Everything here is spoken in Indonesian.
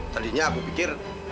tadinya aku pikir